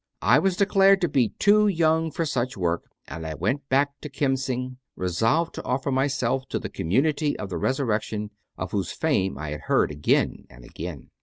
I was declared to be too young for such work, and I went back to Kemsing resolved to offer myself to the Community of the Resurrection, of whose fame I had heard again and again.